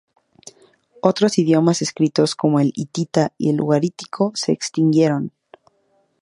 Otros idiomas escritos como el hitita y el ugarítico se extinguieron.